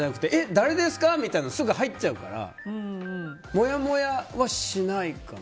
誰ですかってすぐ入っちゃうからもやもやはしないかな。